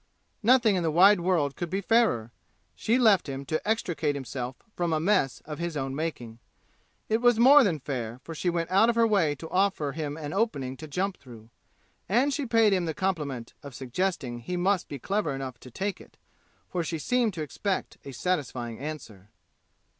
Nothing in the wide world could be fairer! She left him to extricate himself from a mess of his own making! It was more than fair, for she went out of her way to offer him an opening to jump through. And she paid him the compliment of suggesting be must be clever enough to take it, for she seemed to expect a satisfying answer.